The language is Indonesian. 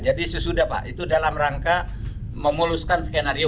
jadi sesudah pak itu dalam rangka memuluskan skenario